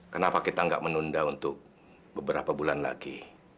kenapa kita nggak menunda untuk beberapa bulan lagi